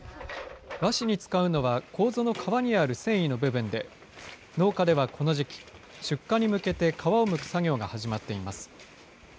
和紙に使うのは、こうぞの皮にある繊維の部分で、農家ではこの時期、出荷に向けて皮をむく作業が始まっています。